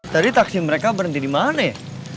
tadi taksi mereka berhenti dimana ya